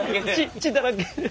血だらけ。